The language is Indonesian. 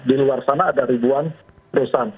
di luar sana ada ribuan perusahaan